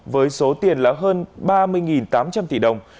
với số tiền là hơn ba mươi tám trăm linh tỷ đồng